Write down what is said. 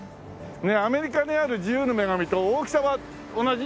ねえアメリカにある自由の女神と大きさは同じ？